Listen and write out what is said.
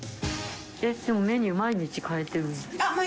いつもメニュー、毎日変えてます。